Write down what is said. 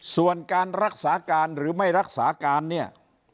ส่วนการรักษาการหรือไม่รักษาการเนี่ย